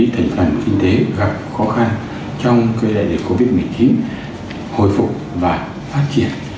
tỉnh toàn kinh tế gặp khó khăn trong cái đại dịch covid một mươi chín hồi phục và phát triển